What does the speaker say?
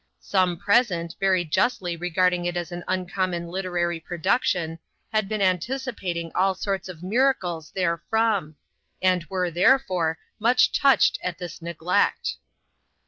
Some present, very justly regarding it as an uncommon literary production, had been anticipating all sorts of miracles therefrom ; and were, therefore, much touched at this neglect.